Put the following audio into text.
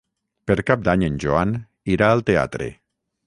Per Cap d'Any en Joan irà al teatre.